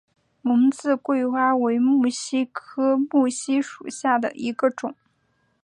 蒙自桂花为木犀科木犀属下的一个种。